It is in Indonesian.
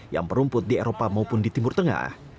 yang merumput di eropa maupun di timur tengah